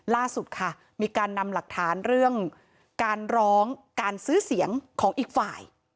ล่าสุดค่ะมีการนำหลักฐานเรื่องการร้องการซื้อเสียงของอีกฝ่าย